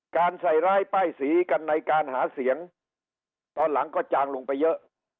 ใส่ร้ายป้ายสีกันในการหาเสียงตอนหลังก็จางลงไปเยอะ